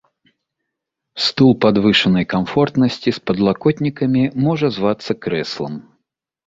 Стул падвышанай камфортнасці з падлакотнікамі можа звацца крэслам.